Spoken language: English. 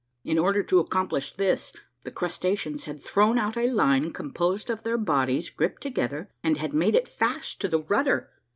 In order to accomplish this, the crustaceans had thrown out a line composed of their bodies gripped together, and had made it fast to the rudder.